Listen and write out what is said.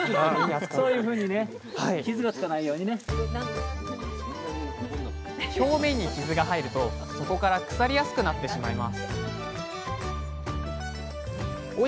そういうふうにね表面に傷が入るとそこから腐りやすくなってしまいます。